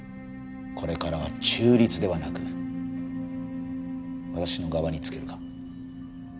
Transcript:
これからは中立ではなく私の側につけるか？